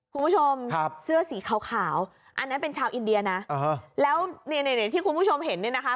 คุณผู้ชมครับเสื้อสีขาวอันนั้นเป็นชาวอินเดียนะแล้วเนี่ยที่คุณผู้ชมเห็นเนี่ยนะคะ